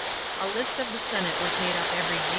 A list of the senate was made up every year.